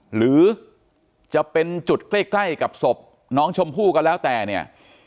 หรือจะเป็นจุดใกล้กับศพน้องชมพู่ก็แล้วแต่เนี่ย